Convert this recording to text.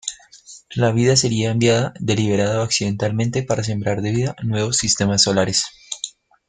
La vida sería enviada –deliberada o accidentalmente– para sembrar de vida nuevos sistemas solares.